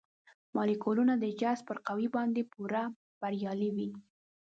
مالیکولونه د جذب پر قوې باندې پوره بریالي وي.